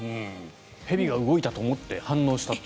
蛇が動いたと思って反応したと。